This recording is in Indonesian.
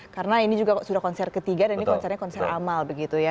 karena ini juga sudah konser ketiga dan ini konsernya konser amal begitu ya